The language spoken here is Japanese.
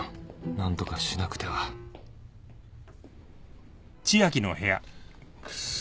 何とかしなくてはクソ。